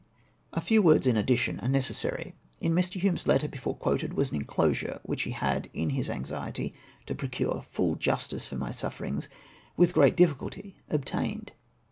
'" A few words in addition are necessary. In ]\Ir. Hume's letter before quoted was an enclosure which he had, in his anxiety to procure full justice for my suffer ings, with great difficulty obtained.